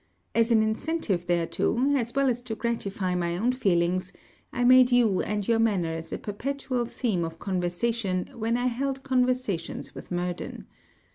As an incentive thereto, as well as to gratify my own feelings, I made you and your manners a perpetual theme of conversation when I held conversations with Murden.